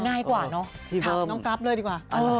ง่ายกว่าเนอะถามน้องกราฟเลยดีกว่า